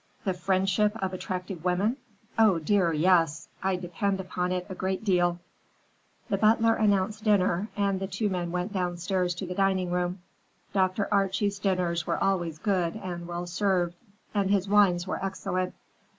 "The friendship of attractive women? Oh, dear, yes! I depend upon it a great deal." The butler announced dinner, and the two men went downstairs to the dining room. Dr. Archie's dinners were always good and well served, and his wines were excellent.